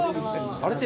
あれって。